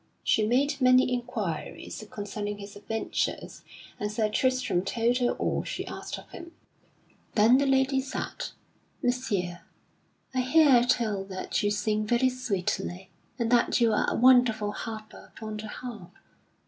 She made many inquiries concerning his adventures, and Sir Tristram told her all she asked of him. Then the lady said: "Messire, I hear tell that you sing very sweetly, and that you are a wonderful harper upon the harp.